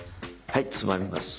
はいつまみます。